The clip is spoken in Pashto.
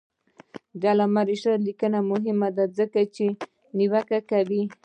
د علامه رشاد لیکنی هنر مهم دی ځکه چې نیوکه کوي.